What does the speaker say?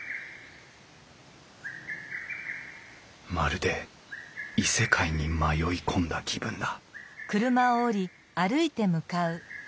まるで異世界に迷い込んだ気分だ